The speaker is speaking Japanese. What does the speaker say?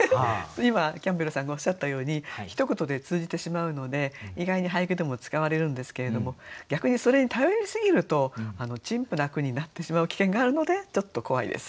今キャンベルさんがおっしゃったようにひと言で通じてしまうので意外に俳句でも使われるんですけれども逆にそれに頼り過ぎると陳腐な句になってしまう危険があるのでちょっと怖いです。